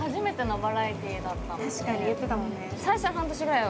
私は確かに言ってたもんね